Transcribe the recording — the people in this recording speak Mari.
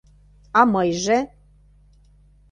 А мыйже!..